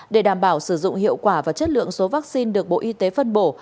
để đảm bảo sử dụng hiệu quả và chất lượng số vaccine được bộ y tế phân bổ